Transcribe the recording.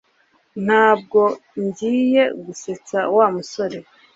Ntabwo ngiye gusetsa Wa musore